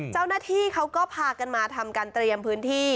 เจ้าหน้าที่เขาก็พากันมาทำการเตรียมพื้นที่